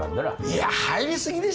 いや入り過ぎでしょ！